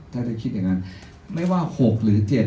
ถ้าจะคิดอย่างนั้นไม่ว่า๖หรือ๗